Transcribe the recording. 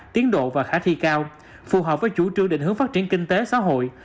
tiến độ và khả thi cao phù hợp với chủ trương định hướng phát triển kinh tế xã hội